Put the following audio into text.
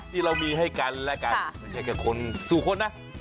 ที่เรามีให้กันและกันไม่ใช่แค่คนสู่คนนะ